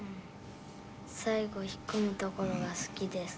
「最後引っ込むところが好きです」